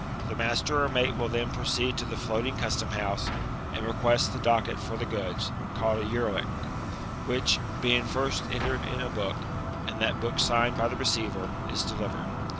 The master or mate wiU then pro ceed to the floatmg custom house, and request the cocket for the goods (called SLyerlick), which, being first entered in a book, and that book signed by the receiver, is delivered.